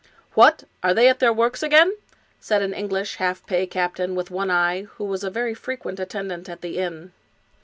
" What ! are they at their works again ?" said an English half pay captain, with one eye, who was a very frequent attendant at the inn.